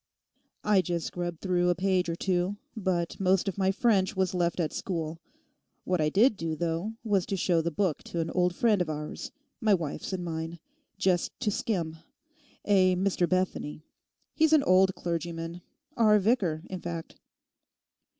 'I just grubbed through a page or two; but most of my French was left at school. What I did do, though, was to show the book to an old friend of ours—my wife's and mine—just to skim—a Mr Bethany. He's an old clergyman—our vicar, in fact.